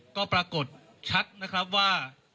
ก็ปรากฏชัดนะครับว่า